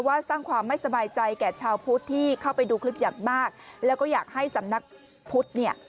สร้างความไม่สบายใจแก่ชาวพุทธที่เข้าไปดูคลิปอย่างมากแล้วก็อยากให้สำนักพุทธเนี่ย